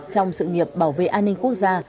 trong sự nghiệp bảo vệ an ninh quốc gia